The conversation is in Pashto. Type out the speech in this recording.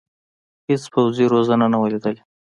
هېڅ پوځي روزنه نه وه لیدلې.